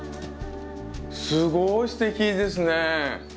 すごいすてきですね。